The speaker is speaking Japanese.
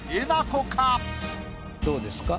どうですか？